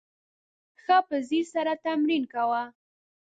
ښه په ځیر سره تمرین کوه !